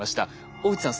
大内さん